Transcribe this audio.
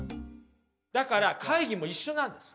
だから会議も一緒なんです。